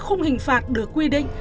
không hình phạt được quy định